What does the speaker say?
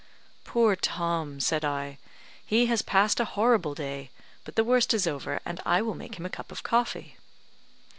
"Poor Tom," said I, "he has passed a horrible day, but the worst is over, and I will make him a cup of coffee."